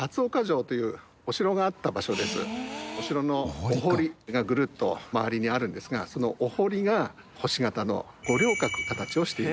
お城のお堀がぐるっと周りにあるんですがそのお堀が星形の五稜郭の形をしている。